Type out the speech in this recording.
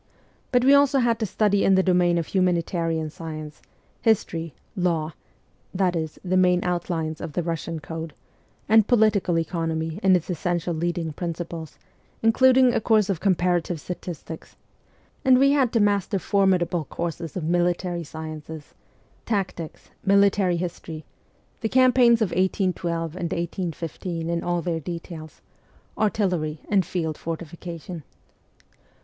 But we also had to study in the domain of humanitarian science, history, law (that is, the main outlines of the Eussian Code), and political economy in its essential leading principles, including a course of comparative statistics ; and we had to master formidable courses of military sciences : tactics, military history (the campaigns of 1812 and 1815 in all their details), artillery, and field fortification.